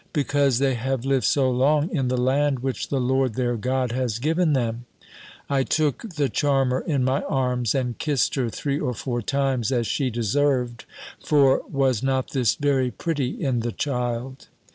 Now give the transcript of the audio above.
"Because they have lived so long in the land which the LORD their GOD has given them." I took the charmer in my arms, and kissed her three or four times, as she deserved; for was not this very pretty in the child?